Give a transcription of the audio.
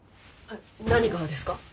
何がですか？